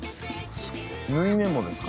縫い目もですか？